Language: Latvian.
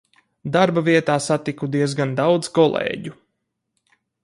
Darba vietā satiku diezgan daudz kolēģu.